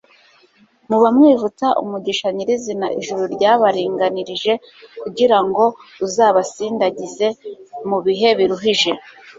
muba mwivutsa umugisha nyirizina ijuru ryabaringanirije kugira ngo uzabasindagize mu bihe biruhije